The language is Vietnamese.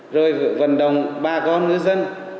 rồi vận động bà con ngư dân